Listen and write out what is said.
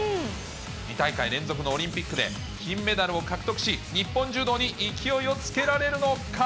２大会連続のオリンピックで、金メダルを獲得し、日本柔道に勢いをつけられるのか。